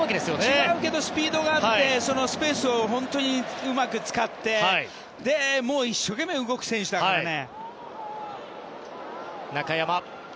違うけどスピードがあってスペースを本当にうまく使ってもう一生懸命動く選手だからね。